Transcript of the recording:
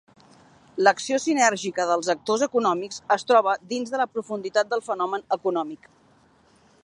L'acció sinèrgica dels actors econòmics es troba dins de la profunditat del fenomen econòmic.